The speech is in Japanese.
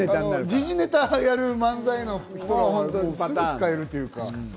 時事ネタをやる漫才の人はすぐ使えるというか。